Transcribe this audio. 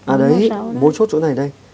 à đấy bố chốt chỗ này đây